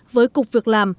với cục việc làm